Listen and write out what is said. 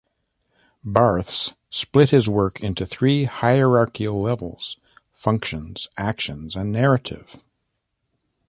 Barthes split this work into three hierarchical levels: 'functions', 'actions' and 'narrative'.